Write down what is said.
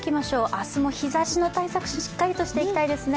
明日も日ざしの対策、しっかりしていきたいですね。